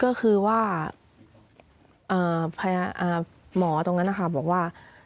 ก็คือว่าหมอตรงนั้นนะคะบอกว่า